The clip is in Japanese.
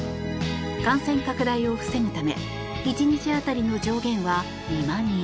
感染拡大を防ぐため１日当たりの上限は２万人。